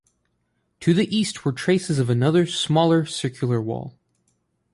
To the east were traces of another, smaller circular wall.